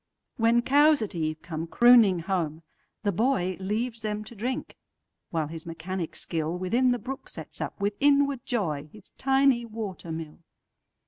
When cows at eve come crooning home, the boyLeaves them to drink, while his mechanic skillWithin the brook sets up, with inward joy, His tiny water mill.